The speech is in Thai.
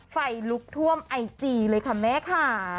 ไฟลุกท่วมไอจีเลยค่ะแม่ค่ะ